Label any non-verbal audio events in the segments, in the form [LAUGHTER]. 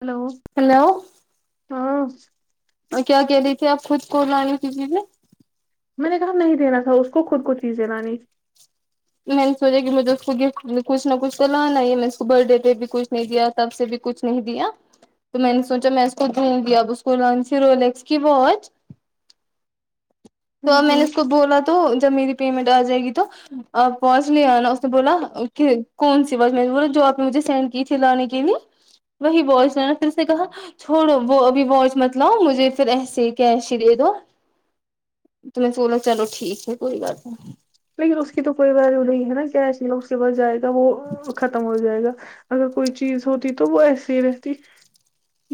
Hello ہاں اور کیا کہہ رہی تھی آپ خود کون لانے کی چیزیں میں نے کہا نہیں دینا تھا اس کو خود کو چیزیں لانی میں نے سوچا کہ مجھے اس کو گفٹ کچھ نہ کچھ تو لانا ہی ہے میں اس کو برتھ ڈے پہ بھی کچھ نہیں دیا تب سے بھی کچھ نہیں دیا تو میں نے سوچا میں اس کو دوں گی اب اس کو لانسی رولیکس کی واچ ہ تو اب میں نے ہ اس کو بولا تو جب میری پیمنٹ آ جائے گی تو آپ واچ لے آنا اس نے بولا کہ کون سی واچ میںنے بولا جو آپ نے مجھے سینڈ کی تھی لانے کے لیے وہی واچ ہے نہ پھر اس نے کہا چھوڑو وہ ابھی واچ متلاؤ مجھے پھر ایسے ہی کیش دے دو تو میں اس کو بولا چلو ٹھیک ہے کوئی بات نہیں لیکن اس کی تو کوئی ویلو نہیں ہے نا کیش یہ اس کے بعد جائے گا وہ [INAUDIBLE] ختم ہو جائے گا اگر کوئی چیز ہوتی تو وہ ایسے ہی رہتی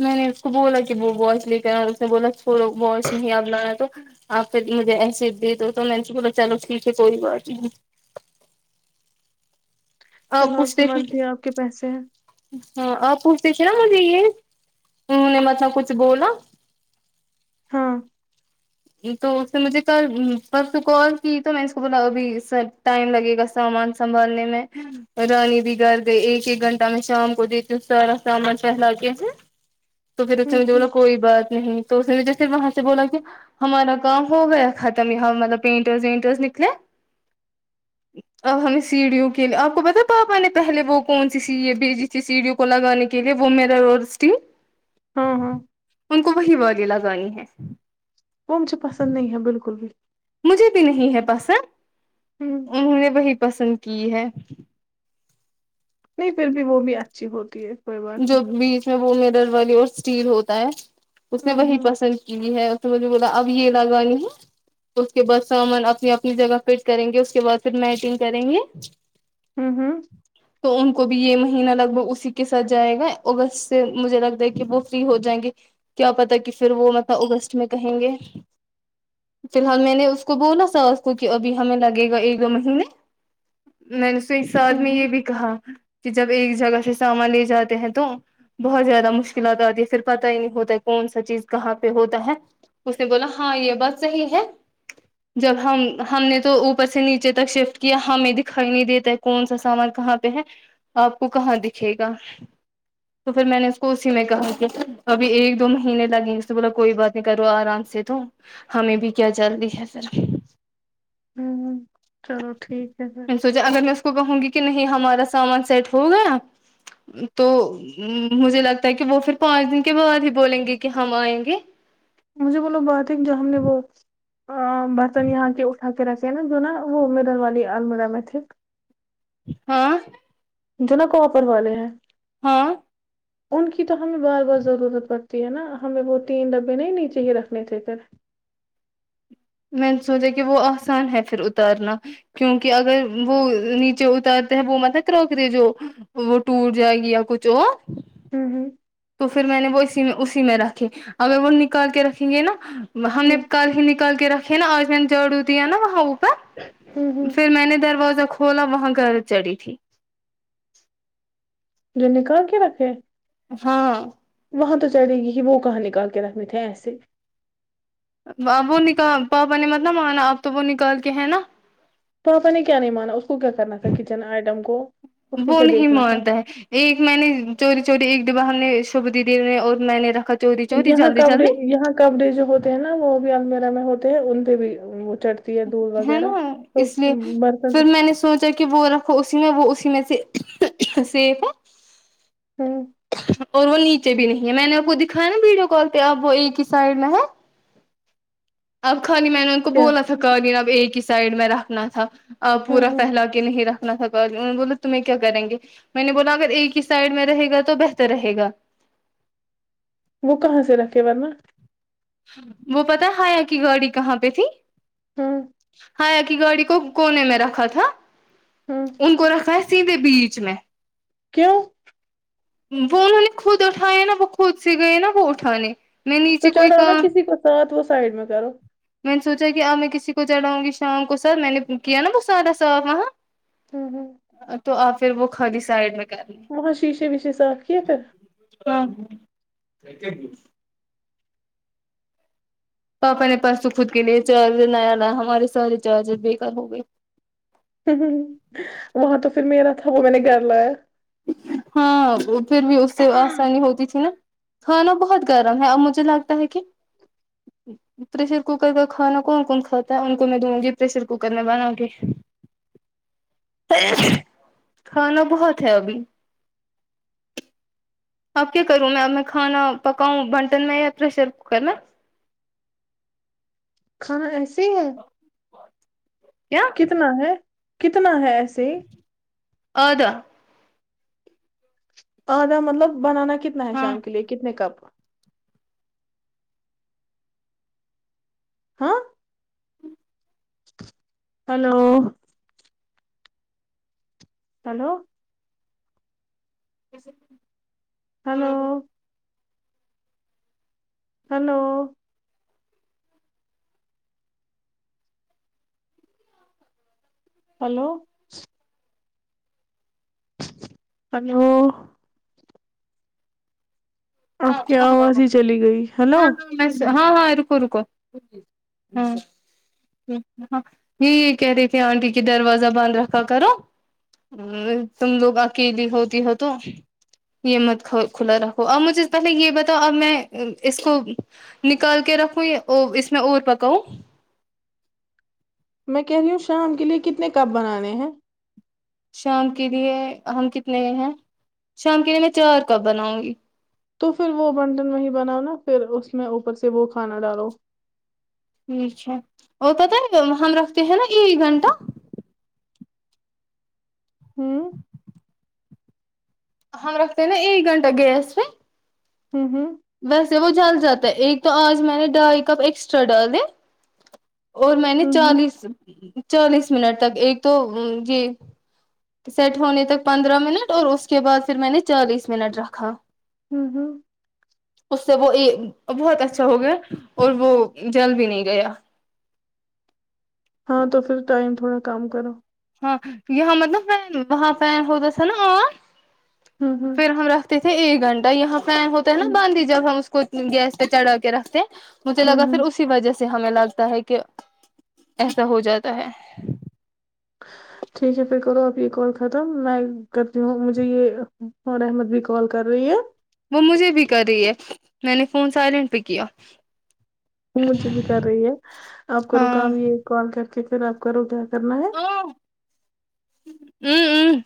میں نے اس کو بولا کہ وہ واچ لے کر آ اور اس نے بولا چھوڑو واچ نہیں اب لانا تو آپ پھر مجھے ایسے دے دو تو میں نے بولا چلو ٹھیک ہے کوئی بات نہیں چلو آپ کی پوچھتے تھے مرضی آپ کے پیسے ہیں ہاں آپ پوچھتے تھے نا مجھے یہ انہوں نے مطلب کچھ بولا ہاں تو اس سے مجھے کل پرسوں کال کی تو میں اس کو بولا ابھی س ٹائم لگے گا سامان سنبھالنے میں ہوں رانی بھی گھر گئی ایک ایک گھنٹہ میں شام کو دیتی ہوں سارا سامان پھلا کے ہوں تو پھر اس نے ہ مجھے بولا ہ کوئی بات نہیں تو اس مجھے پھر وہاں سے بولا کہ ہمارا کام ہو گیا ختم یہاں مطلب پینٹرس وینٹرس نکلے اب ہمیں سیڑھیوں کے لیے آپ کو پتا پاپا نے پہلے وہ کون سی سیڑھی بھیجی تھی سیڑھیوں کولا گانی کے لے وہ میرا اسٹی ہاں ہاں ان کو وہی والی لگانی ہے وہ مجھے پسند نہیں ہیں بلکل بھی مجھے بھی نہیں ہے پسند ہ انہوں نے وہی پسند کی ہے نہیں پھر بھی وہ بھی اچھی ہوتی ہے کوئی بات جو نہیں بیچ میں وہ میٹل والی اور اسٹیل ہوتا ہے اس نے ہ وہی ہ پسند کی ہے اس نے مجھے بولا اب یہ لگائی ہے اس کے بعد سامان اپنی اپنی جگہ فٹ کریں گے اس کے بعد پھر میٹنگ کریں گے ہوں ہوں تو ان کو بھی یہ مہینہ لگ بگ اسی کے س جائے گا اگسٹ سے مجھے لگتا ہے کہ وہ فری ہو جائیں گے کیا پتا کہ پھر وہ مطلب اگسٹ میں کہیں گے فی الحال میں نے اس کو بولا ساس کو کہ ابھی ہمیں لگے گا ایک دو مہینے میں نے تو اس ساتھ ہ میں یہ ہ بھی کہاں کہ جب ایک جگہ سے سامان لے ج جاتے ہیں تو بہت زیادہ مشکلات آتی ہے پھر پتہ ہی نہیں ہوتا ہے کون سا چیز کہاں پہ ہوتا ہے اس نے بولا ہاں یہ بات صحیح ہے جب ہم ہم نے تو اوپر سے نیچے تک شفٹ کیا ہمیں دکھائی نہیں دیتا ہے کونسا سامان کہاں پہ ہے آپ کو کہاں دکھے گا تو پھر میں نے اس کو اسی میں کہا کہ ابھی ایک دو مہینے لگے اس نے بولا کوئی بات نہیں کرو آرام سے تو ہمیں بھی کیا جلدی ہے پھر ہ چلو ٹھیک ہے پھر میں نے سوچا اگر میں اس کو کہوں گی کہ نہیں ہمارا سامان سیٹ ہوگا تو مجھے لگتا ہے کہ وہ پھر پانچ دن کے بعد ہی بولیں گے کہ ہم آئیں گے مجھے بولا بات ہے کیا ہم نے وہ آں برتن یہاں کے اٹھا کے رکھ یہ ہے نا جو نا وہ مڈل والی المیرا میں تھے ہاں جو نا کوپر والے ہیں ہاں ان کی تو ہمیں بار بار ضرورت پڑتی ہے نا ہمیں وہ تین ڈبے نہیں نیچے ہی رکھنے تھے پھر میں نے سوچا کہ وہ آسان ہے پھر اتارنا کیونکہ اگر وہ نیچے اتارتے ہیں وہ مطلب کراکری جو وہ ٹوٹ جائے گی یا کچھ ہوا ہوں ہوں تو پھر میں نے وہ اسی میں اسی میں رکھے اگر وہ نکال کے رکھیں گے نا ہم نے کل ہی نکال کے رکھے ہے نا آج میں نے جھاڑو دیا نا وہاں وہ ہاں پھر میں نے دروازہ کھولا وہاں گرد چڑی تھی جو نکال کے رکھے ہاں وہاں تو چڑے گی ہی وہ کہاں نکال کے رکھنے تھے ایسے اب وہ نکا پاپا نے مطلب مانا آپ تو وہ نکال کے ہیں نا پاپا نے کیا نہیں مانا اس کو کیا کرنا تھا کچن آئٹم کو اس کو وہ کیا نہیں دیکھنا تھا مانتا ہے ایک میں نے چوری چوری ایک ڈبہ ہم نے شوبھو دیدی نے اور میں نے رکھا چوری چوری یہاں جلدی کپڑے جلدی یہاں کپڑے جو ہوتے ہیں نا وہ بھی المیرا میں ہوتے ہیں ان پہ بھی وہ چڑھ دودھ ہے وغیرہ نا تو اس لیے برتن پھر تھے میں نے سوچا کہ وہ رکھو اسی میں وہ اسی میں سے سیف ہے ہوں اور وہ نیچے بھی نہیں ہے میں نے آپ کو دکھایا نا ویڈیو کال پہ اب وہ ایک ہی سائڈ میں ہے اب خالی میں نے ان کو کیا بولا تھا قالین اب ایک ہی سائڈ میں رکھنا تھا اب ہوں پورا ہوں پھیلا کے نہیں رکھنا تھا قالین انہوں نے بولا تمہیں کیا کریں گے میں نے بولا اگر ایک ہی سائڈ میں رہے گا تو بہتر رہے گا وہ کہاں سے رکھے گا نہ وہ پتا ہے حیا کی گاڑی کہاں پہ تھی ہوں حیا کی گاڑی کو کونے میں رکھا تھا ہاں ان کو رکھا ہے سیدھے بیچ میں کیوں وہ انہوں نے خود اٹھایا ہے نا وہ خود سے گئے ہے نا وہ اٹھانے میں تو نیچے کوئی چڑھاؤ نا کام کسی کو ساتھ وہ سائڈ میں کرو میں نے سوچا کہ اب میں کسی کو چڑاؤں گی شام کو سر میں نے کیا نا وہ سارا صاف وہاں ہ اب تو آپ پھر وہ خالی سائڈ میں کر لیں وہاں شیشے ویشے صاف کیے تھے ہاں [UNINTELLIGIBLE] پاپا نے پرسوں خود کے لیے چارجر نیا لایا ہمارے سارے چارجر بےکار ہوگئے وہاں تو پھر میرا تھا وہ میں نے گھر لایا ہاں پھر بھی اس سے آسانی ہوتی تھی نا کھانا بہت گرم ہے اور مجھے لگتا ہے کہ پریشر کوکر کا کھانا کون کون کھاتا ہے ان کو میں دوں گی پریشر کوکر میں بنا کے کھانا بہت ہے ابھی اب کیا کروں میں اب میں کھانا پکاؤں بنٹن میں یا پریشر کوکر میں کھانا ایسے ہے کیا کتنا ہے کتنا ہے ایسے ہی آدھا آدھا مطلب بنانا کتنا ہے ہاں شام کے لیے کتنے کپ ہاں ہیلو ہیلو اسسے ہیلو ہیلو ہیلو ہیلو آپ کی ہاں آواز ہی چلی گئی ہیلو ہاں ہاں رکو رکو ہوں ہ یہ یہ کہہ رہی تھے آنٹی کی دروازہ بند رکھا کرو ا تم لوگ اکیلی ہوتی ہو تو یہ مت کھلا رکھو اور مجھے پہلے یہ بتاؤ اب میں اس کو نکال کے رکھوں اس میں اور پکاؤں میں کہہ رہی ہوں شام کے لیے کتنے کپ بنانے ہیں شام کے لیے ہم کتنے ہیں شام کے لیے چار کپ بناؤں گی تو پھر وہ بنٹن وہی بناؤ نا پھر اس میں اوپر سے وہ کھانا ڈالو ٹھیک ہے اور پتا ہے ہم رکھتے ہیں نا ایک گھنٹہ ہوں ہم رکھتے ہیں نا ایک گھنٹہ گیس پہ ہوں ہوں ویسے وہ جل جاتا ہے ایک تو آج میں نے ڈھائی کپ ایکسٹرا ڈالے اور میں نے ہوں ہوں چالیس چالیس منٹ تک ایک تو یہ سیٹ ہونے تک پندرہ منٹ اور اس کے بعد پھر میں نے چالیس منٹ رکھا ہوں ہوں اس سے وہ بہت اچھا ہو گیا اور وہ جل بھی نہیں گیا ہاں تو پھر ٹائم تھوڑا کم کرو ہاں یہاں مطلب فین وہاں فین ہوتا تھا نا آ ہوں ہوں پھر ره تھے ایک گھنٹہ یہاں پین ہوتا ہے نا ہوں باند ہی جب ہم اس کو گیس پہ چڑھا کے رکھتے ہیں مجھے ہوں لگا پھر ہوں۔ اسی وجہ سے ہمیں لگتا ہے کہ ایسا ہو جاتا ہے ٹھیک ہے پھر کرو آپ یہ کال ختم میں کرتی ہوں مجھے یہ فور احمد بھی کال کر رہی ہے وہ مجھے بھی کر رہی ہے میں نے فون سائلینٹ پہ کیا مجھے بھی کر رہی ہے آپ کرو ہاں کام یہ کال کر کے پھر آپ کرو کیا کرنا ہے ا امم امم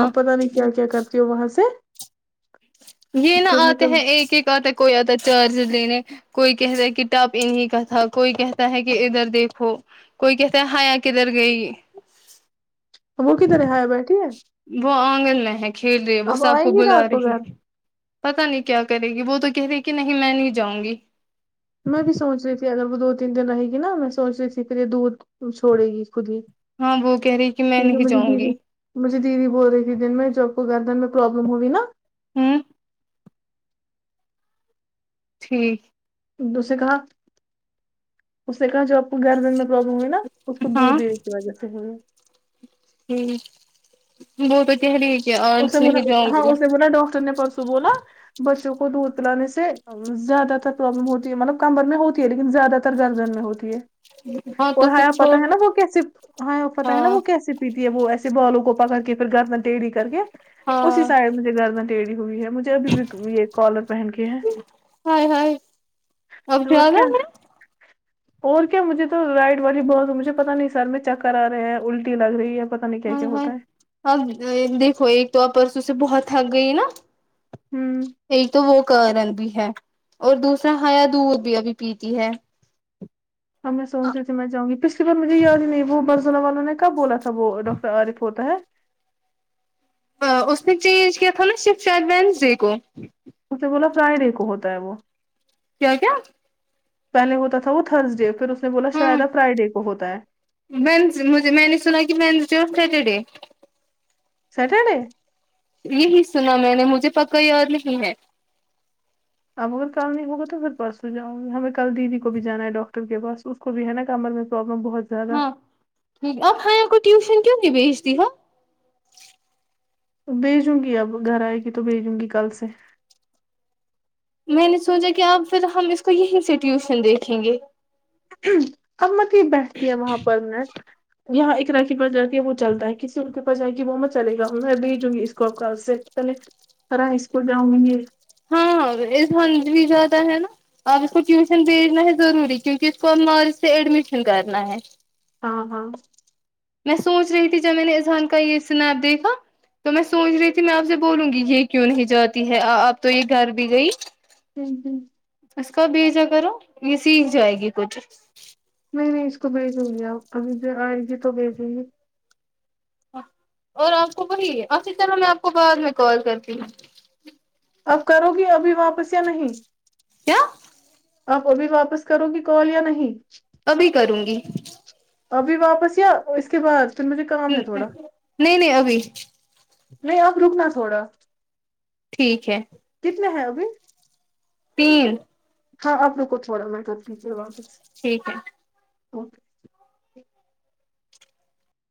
آپ پتا نہیں کیا کیا کرتی ہو وہاں سے یہ نا پھر میں آتے کل ہیں ایک ایک آتا کوئی آتا چارجر لینے کوئی کہتا ہے کہ ٹاپ انہیں کا تھا کوئی کہتا ہے کہ ادھر دیکھو کوئی کہتے ہیں حیا کدھر گئی وہ کدھر ہے ہائے بیٹھی ہے وہ آنگن میں ہے کھیل رہی وہ اب سب آئے کو گی بلا رات رہی گھر پتا نہیں کیا کرے گی وہ تو کہہ رہی کہ نہیں میں نہیں جاؤں گی میں بھی سوچ رہی تھی اگر وہ دو تین دن رہے گی نا میں سوچ رہی تھی پھر یہ دور چھوڑے گی خود ہی ہاں وہ کہہ رہی کہ میں ٹھیک ہے نہیں مجے جاؤں گی دیدی مجھے دیدی بول رہی تھی دن میں جو اب کو گردن میں پرابلم ہوئی نا ہمم ٹھیک اس سے کہا اس نے کہا جب آپ کو گرین میں پرابلم ہوئی نا اس کو ہاں بعد وجہ سے ہوں ہمم بہت [UNINTELLIGIBLE] اسے بولا ہاں اسے بولا ڈاکٹر نے پرسوں بولا بچوں کو دودھ پلانے سے زیادہ تر پروابلم ہوتی ہے مطلب کمر میں ہوتی ہے لیکن زیادہ تر گردن میں ہوتی ہے ہاں تو اور پھر حیا چھوڑ پتہ ہے نا وہ کیسے حیا پتہ ہے نا ہاں وہ کیسے پیتی ہے وہ ایسے بالوں کو پکڑ کے پھر گرن ٹیڑھی کر کے اسی ہاں سائڈ میں گردن ٹیڑی ہوئی ہے مجھے جبھی بھی یہ کالر پہن کے ہیں ہائے ہائے اب اور کیا زیادہ ہے اور کیا مجھے تو رائٹ والی بہت مجھے پتا نہیں سر میں چکر آ رہے ہیں الٹی لگ رہی ہے پتا نہیں کیا ہاں کیا ہوتا ہے ہاں دیکھو ایک تو آ پرسوں سے بہت تھک گئی نا ہوں ایک تو وہ کارن بھی ہے اور دوسرا حیا دودھ بھی ابھی پیتی ہے ہم میں سوچی تھی میں جاؤ گی پچھلی بار مجھےیاد نہیں ہے وہ بزولہ والوں نے کب بولا تھا سب وہ ڈاکٹر عارف ہوتا ہے اس نے چینج کیا تھا نا صرف شاید وینسڈے کو اس نے بولا فرائیڈے کو ہوتا ہے وہ کیا کیا پہلے ہوتا تھا وہ تھرسڈے پھر اس نے بولا شاید اب فرائیڈے کو ہوتا ہے منس مجھے میں نے سنا کہ وینزڈے اور سیٹرڈے سٹرڈے یہی سنا میں نے مجھے پکا یاد نہیں ہے اب اگر کل نہیں ہوگا تو پھر پرسوں جاؤں گی ہمیں کل دیدی کو بھی جانا ہے ڈاکٹر کے پاس کو بھی ہے نہ کمر میں پروابلم بہت زیادہ ہاں آپ بھائیوں کو ٹیوشن کیوں نہیں بھیجتی ہو بھیجوں گی اب گھر آئے گی تو بھیجوں گی کل سے میں نے سوچا کہ آپ پھر ہم اس کو یہیں سے ٹیوشن دیکھیں گے ہوں اب مت ہی بیٹھتی ہے وہاں پر میں یہاں ایک راکی پر جا کے وہ چلتا ہے کسی کے پاس جائے گی وہمت چلے گا میں بھیجوں گی اس کو اب کل سے پہلے فرا ہائی اسکول جاؤں نہیں ہاں اس منتھ بھی زیادہ ہے نا اب اس کو ٹیوشن بھیجنا ہے ضروری کیونکہ اس کو مارچ سے ایڈمیشن کرنا ہے ہاں ہاں میں سوچ رہی تھی جب میں نے اذہان کا یہ سنیپ دیکھا تو میں سوچ رہی تھی میں آپ سے بولوں گی یہ کیوں نہیں جاتی ہے اب تو یہ گھر بھی گئی ہوں ہوں اس کا بھیجا کرو یہ سیکھ جائے گی کچھ نہیں نہیں اس کو بھیجوں گی اب ابھی جو آئے گی تو بھیجیوں گی اور آپ کو وہی اچھا چلو میں آپ کو بعد میں کال کرتی ہوں اب کرو گی ابھی واپس یا نہیں کیا آپ ابھی واپس کرو گی کال یا نہیں ابھی کروں گی ابھی واپس یا اس کے بعد پھر مجھے کام ہے تھوڑا نہیں نہیں ابھی نہیں آپ رکنا تھوڑا ٹھیک ہے کتنے ہیں ابھی تین ہاں آپ روکو تھوڑا میں کرتی ہوں واپس ٹھیک ہے او